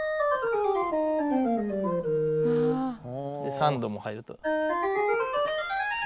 ３度も入ると。